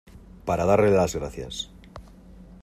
para darle las gracias